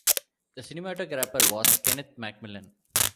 The cinematographer was Kenneth McMillan.